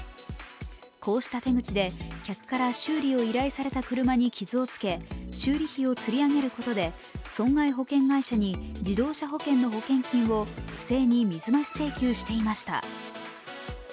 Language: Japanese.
こうした手口で客から修理を依頼された車に傷をつけ修理費をつり上げることで損害保険会社に自動車保険の保険金を不正に水増し請求していました。